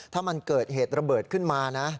ถ้ามันเกิดเหตุระเบิดขึ้นมานะ